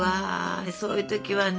そういう時はね